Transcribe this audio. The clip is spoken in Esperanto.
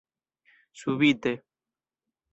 subite